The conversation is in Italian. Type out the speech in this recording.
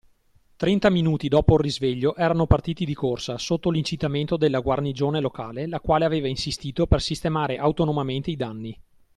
Trenta minuti dopo il risveglio erano partiti di corsa, sotto l’incitamento della guarnigione locale, la quale aveva insistito per sistemare autonomamente i danni.